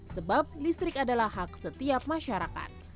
sebab listrik adalah hak setiap masyarakat